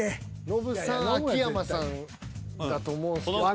ノブさん秋山さんだと思うんですけど。